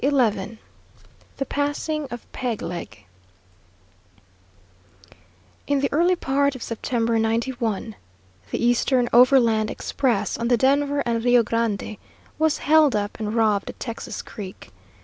XI THE PASSING OF PEG LEG In the early part of September, '91, the eastern overland express on the Denver and Rio Grande was held up and robbed at Texas Creek.